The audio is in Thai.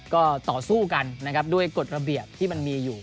ก็ต่อสู้กันนะครับด้วยกฎระเบียบที่มันมีอยู่